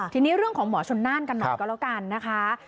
ทีนี้เรื่องของหมอชนน่านกันหน่อยก็แล้วกันนะคะ